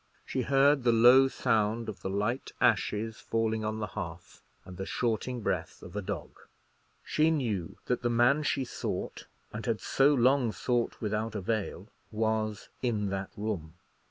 She heard the low sound of the light ashes falling on the hearth, and the shorting breath of a dog. She knew that the man she sought, and had so long sought without avail, was in that room.